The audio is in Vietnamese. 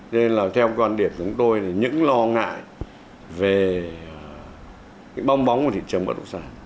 nên là theo quan điểm của chúng tôi thì những lo ngại về cái bong bóng của thị trường bất động sản